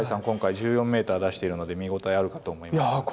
今回１４ｍ出しているので見応えあるかと思います。